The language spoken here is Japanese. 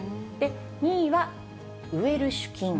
２位はウエルシュ菌。